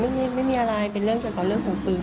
ไม่มีอะไรนะเป็นเรื่องสำหรับส่วนเรื่องหุงปืน